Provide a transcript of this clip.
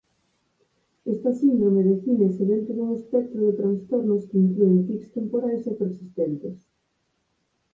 Esta síndrome defínese dentro dun espectro de trastornos que inclúen tics temporais e persistentes.